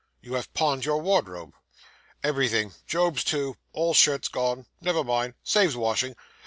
You have pawned your wardrobe.' 'Everything Job's too all shirts gone never mind saves washing.